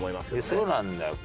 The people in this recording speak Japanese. そうなんだよ。